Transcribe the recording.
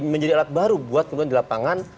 menjadi alat baru buat kemudian di lapangan